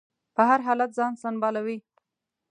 په هر حالت ځان سنبالوي.